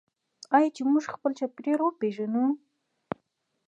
آیا چې موږ خپل چاپیریال وپیژنو؟